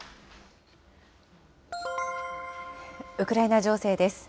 ウクライナ情勢です。